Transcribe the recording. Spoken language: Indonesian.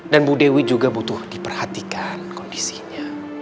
dan bu dewi juga butuh diperhatikan kondisinya